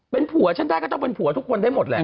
เป็นผัวฉันได้ก็ต้องเป็นผัวทุกคนได้หมดแหละ